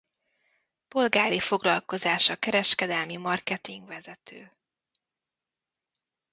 Polgári foglalkozása kereskedelmi marketing vezető.